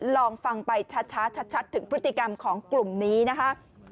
ลองฟังไปช้าชัดถึงพฤติกรรมของกลุ่มนี้นะคะ